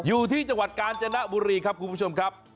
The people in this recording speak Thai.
อยู่ที่จังหวัดกาญจนบุรีครับคุณผู้ชมครับ